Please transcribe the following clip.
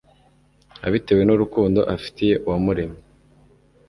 abitewe n'urukundo afitiye uwamuremye